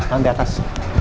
tahan di atas